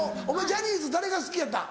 ジャニーズ誰が好きやった？